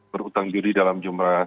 berhutang juri dalam jumlah